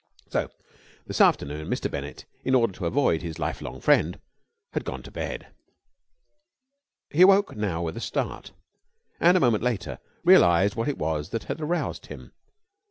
So this afternoon Mr. Bennett, in order to avoid his life long friend, had gone to bed. He awoke now with a start, and a moment later realized what it was that had aroused him.